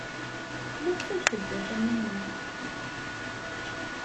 Maɣef ay tedda Taninna?